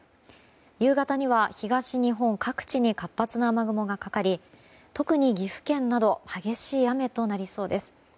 夕方には東日本各地に活発な雨雲がかかり特に岐阜県など激しい雨となりそうです。